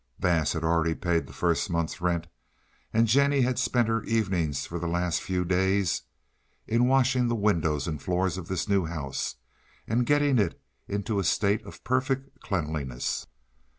Bass had already paid the first month's rent, and Jennie had spent her evenings for the last few days in washing the windows and floors of this new house and in getting it into a state of perfect cleanliness.